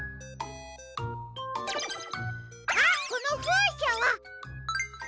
あっこのふうしゃは。